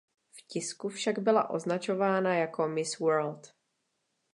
V tisku však byla označována jako Miss World.